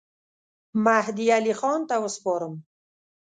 مهدي علي خان ته وسپارم.